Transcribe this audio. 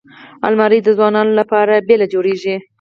الماري د ځوانو لپاره بېله جوړیږي